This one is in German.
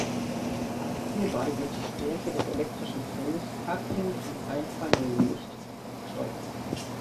Hierbei wird die Stärke des elektrischen Feldes abhängig vom einfallenden Licht gesteuert.